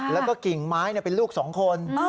แล้วก็กิ่งไม้เป็นลูก๒คน